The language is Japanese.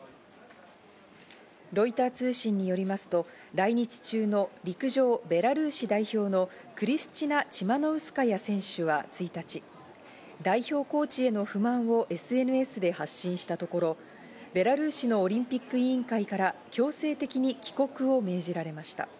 ロイター通信によりますと、来日中の陸上ベラルーシ代表のクリスチナ・チマノウスカヤ選手は１日、代表コーチへの不満をＳＮＳで発信したところ、ベラルーシのオリンピック委員会から強制的に帰国を命じられました。